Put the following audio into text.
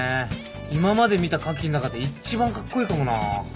今まで見たカキん中で一番かっこいいかもな。